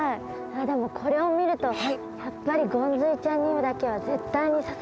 でもこれを見るとやっぱりゴンズイちゃんにだけは絶対に刺されたくないです。